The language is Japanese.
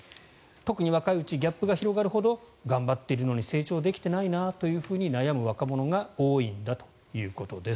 特に若いうちギャップが広がるほど頑張っているのに成長できていないなと悩む若者が多いんだということです。